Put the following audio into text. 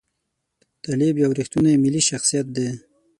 طالب یو ریښتونی ملي شخصیت دی.